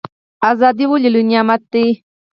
ازادي ولې لوی نعمت دی؟